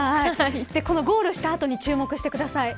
このゴールした後に注目してください。